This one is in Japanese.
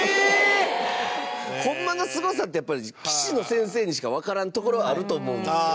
高橋：ホンマのすごさって棋士の先生にしかわからんところあると思うんですけど。